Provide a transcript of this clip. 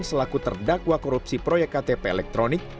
selaku terdakwa korupsi proyek ktp elektronik